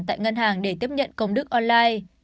tại ngân hàng để tiếp nhận công đức online